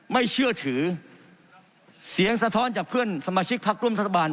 ไม่เชื่อถือเสียงสะท้อนจากเพื่อนสมาชิกพักร่วมรัฐบาล